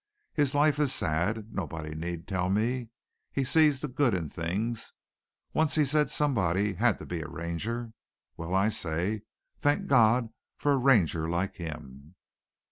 His life is sad. Nobody need tell me he sees the good in things. Once he said somebody had to be a Ranger. Well, I say, thank God for a Ranger like him!"